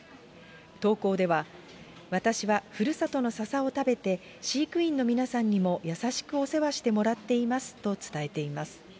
投稿では、私はふるさとのささを食べて、飼育員の皆さんにも優しくお世話してもらっていますと伝えています。